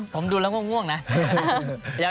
ผมดูแล้วง่วงนะ